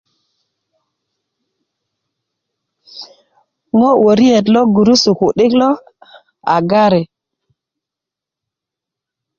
ŋo' wöriyet lo gurusu ku'dik lo a gari